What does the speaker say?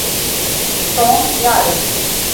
توم يعرف.